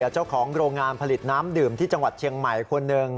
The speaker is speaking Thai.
เจ้าของโรงงานผลิตน้ำดื่มที่จังหวัดเชียงใหม่คนหนึ่ง